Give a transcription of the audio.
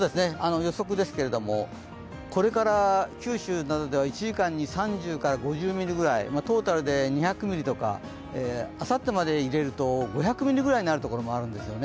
予測ですけれども、これから九州などでは１時間に３０５０ミリぐらい、トータルで２００ミリとか、あさってまで入れると５００ミリぐらいになるところがあります。